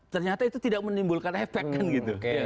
ternyata itu tidak menimbulkan efek kan gitu